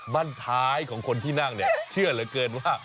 บ้านท้ายของคนที่นั่งเนี่ยเชื่อเหลือเกินว่า